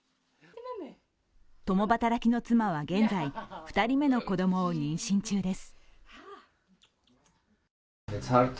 共働きの妻は現在、２人目の子供を妊娠中です。